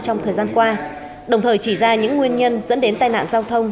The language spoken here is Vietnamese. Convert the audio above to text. trong thời gian qua đồng thời chỉ ra những nguyên nhân dẫn đến tai nạn giao thông